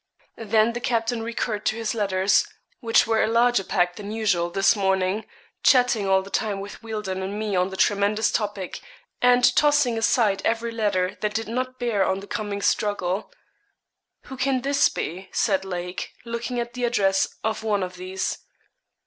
Then the captain recurred to his letters, which were a larger pack than usual this morning, chatting all the time with Wealdon and me on the tremendous topic, and tossing aside every letter that did not bear on the coming struggle. 'Who can this be?' said Lake, looking at the address of one of these.